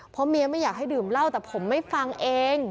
เพราะเมียไม่อยากให้ดื่มเหล้าแต่ผมไม่ฟังเอง